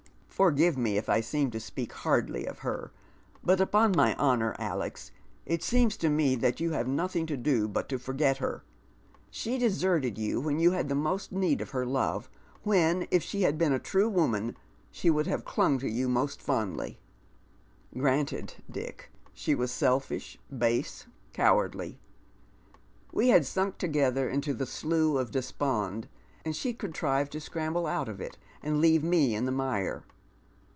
" F(jrgive me if I seem to speak hardly of her, hnt upon my honour, Alex, it seems to me tliat you have nothing to do but to forget her. She deserted you when you had the most need of her jove, when, if she had been a true woman, she would have clung to you most fondly." "Granted. Dick. She was selfish, base, cowardly. We had Bunk together into the slough of despond, and she contrived to scramble out of it and leave me in the mire.